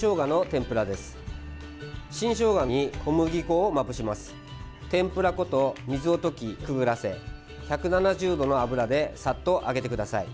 天ぷら粉と水を溶き、くぐらせ１７０度の油でさっと揚げてください。